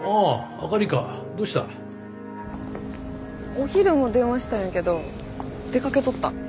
お昼も電話したんやけど出かけとった？